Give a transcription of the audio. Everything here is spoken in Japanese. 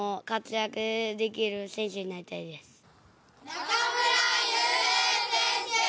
中村悠平選手